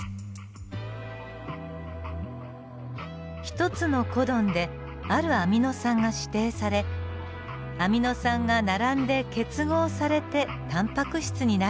１つのコドンであるアミノ酸が指定されアミノ酸が並んで結合されてタンパク質になるのです。